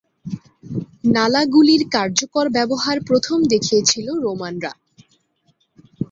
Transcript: নালা গুলির কার্যকর ব্যবহার প্রথম দেখিয়েছিল রোমানরা।